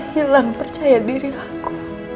hilang percaya diri aku